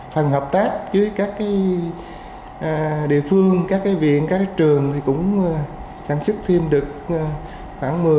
phần hợp tác với các địa phương các viện các trường cũng sản xuất thêm được khoảng một mươi một mươi hai cây nữa